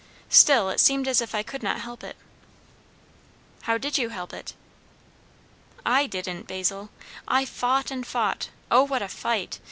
Still it seemed as if I could not help it." "How did you help it?" "I didn't, Basil. I fought and fought O, what a fight!